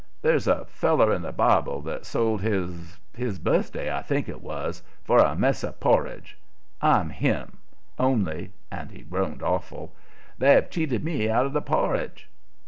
There's a feller in the Bible that sold his his birthday, I think 'twas for a mess of porridge. I'm him; only," and he groaned awful, "they've cheated me out of the porridge."